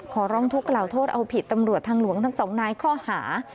ขอร้องทุกขล่าโทษเอาผิดตำรวจทางหลวงทั้งสองนายข้อหา